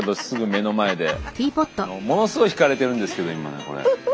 あのものすごい惹かれてるんですけど今ねこれ。